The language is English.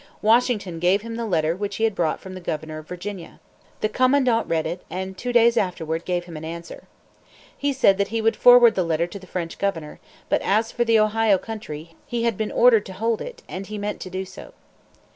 Washington gave him the letter which he had brought from the governor of Virginia. The commandant read it, and two days afterward gave him an answer. He said that he would forward the letter to the French governor; but as for the Ohio Country, he had been ordered to hold it, and he meant to do so.